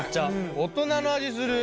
大人の味する。